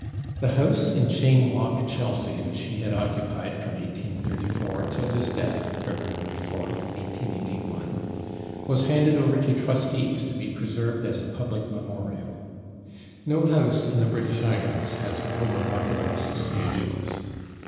The house in Cheyne Walk, Chelsea, which he had occupied from 1834 till his death (February 4th, 1881), was handed over to trustees to be preserved as a public memorial. No house in the British islands has more remarkable associations.